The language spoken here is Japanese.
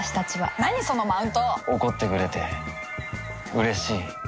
怒ってくれてうれしい。